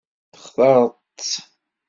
Textaṛeḍ-tt?